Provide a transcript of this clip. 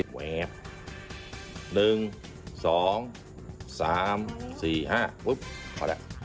ประมาณแหละ